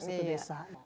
satu miliar satu desa